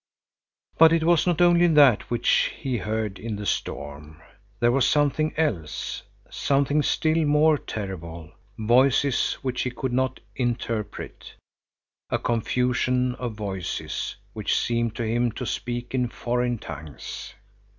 But it was not only that which he heard in the storm. There was something else, something still more terrible, voices which he could not interpret, a confusion of voices, which seemed to him to speak in foreign tongues.